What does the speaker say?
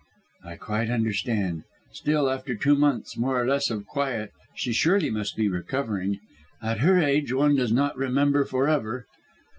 "I quite understand. Still, after two months' more or less of quiet she surely must be recovering. At her age one does not remember for ever."